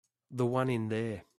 The one in there.